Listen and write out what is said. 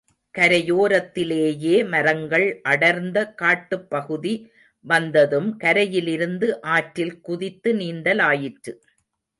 கரையோரத்திலேயே மரங்கள் அடர்ந்த காட்டுப்பகுதி வந்ததும் கரையிலிருந்து ஆற்றில் குதித்து நீந்தலாயிற்று.